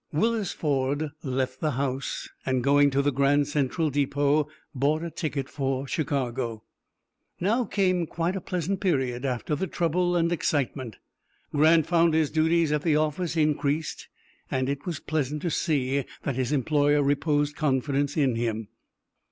Willis Ford left the house, and, going to the Grand Central Depot, bought a ticket for Chicago. Now came quite a pleasant period after the trouble and excitement. Grant found his duties at the office increased, and it was pleasant to see that his employer reposed confidence in him.